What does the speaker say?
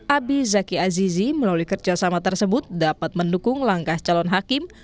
abi zaki azizi melalui kerjasama tersebut dapat mendukung langkah calon hakim